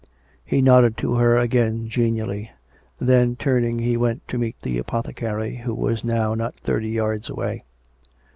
He nodded to her again genially. Then, turning, he went to meet the apothecary, who was now not thirty yards away.